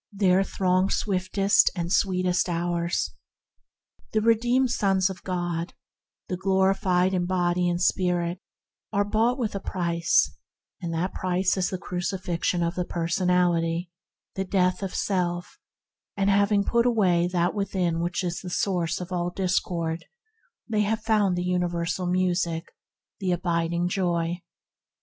there throng Swiftest and sweetest hours!" The redeemed sons of God, the glorified in body and spirit, are bought with a price, and that price is the crucifixion of the per sonality, the death of self; having put away that within which is the source of all discord, they have found the universal Music, the abiding Joy.